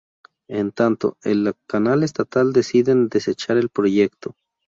En tanto, en el canal estatal, deciden desechar el proyecto.